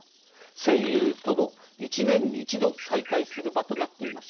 戦友との一年に一度再会する場となっていました。